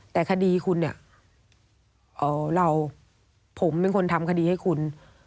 แต่คดีคุณเนี่ยเราผมเป็นคนทำคดีให้คุณ